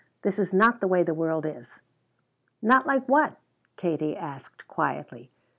This is not the way the world is!" "Not like what?" Kate asked quietly.